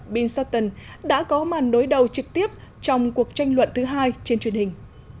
bill shuston đã có màn đối đầu trực tiếp trong cuộc tranh luận thứ hai trên truyền hình